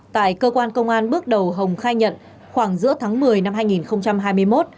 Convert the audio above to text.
tại cơ quan công an bước đầu hồng khai nhận khoảng giữa tháng một mươi năm hai nghìn hai mươi một